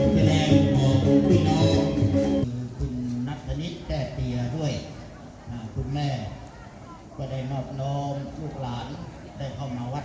คุณนัทธนิษย์ได้เสียด้วยคุณแม่ก็ได้นอบน้องลูกหลานได้เข้ามาวัด